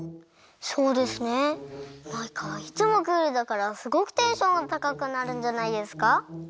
そうですねマイカはいつもクールだからすごくテンションがたかくなるんじゃないですか？